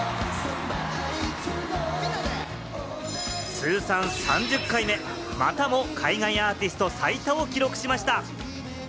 通算３０回目、またも海外アーティスト最多を記録しました。